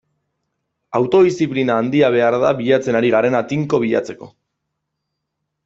Autodiziplina handia behar da bilatzen ari garena tinko bilatzeko.